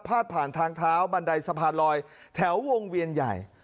ผ่านทางเท้าบันไดสะพานลอยแถววงเวียนใหญ่